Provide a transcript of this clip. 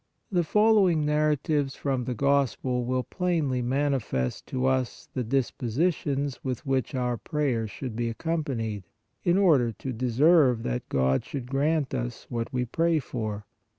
The following narratives from the Gospel will plainly manifest to us the dispositions with which our prayers should be accompanied, in order to de serve that God should grant us what we pray for.